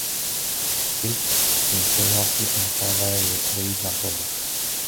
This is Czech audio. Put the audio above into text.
Kirk s tím souhlasí a nechává jej odejít na povrch.